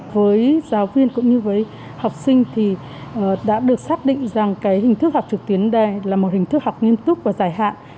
với giáo viên cũng như với học sinh thì đã được xác định rằng hình thức học trực tuyến đây là một hình thức học nghiêm túc và dài hạn